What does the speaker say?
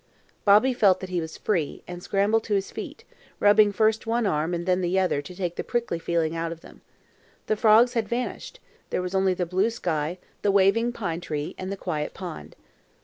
Bobby felt that he was free, and scrambled to his feet, rubbing first one arm and then the other to take the prickly feeling out of them. The frogs had vanished; there was only the blue sky, the waving pine tree, and the quiet pond.